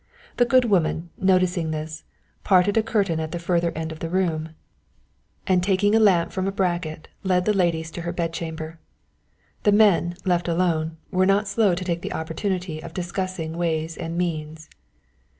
The good woman, noticing this, parted a curtain at the further end of the room, and taking a lamp from a bracket, led the ladies to her bedchamber. The men, left alone, were not slow to take the opportunity of discussing ways and means.